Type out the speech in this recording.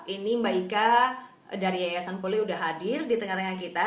ini mba ika dari yayasan puli udah hadir di tengah tengah kita